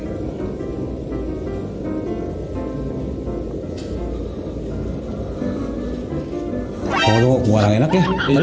kok orang enak ya